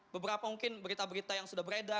beberapa mungkin berita berita yang sudah beredar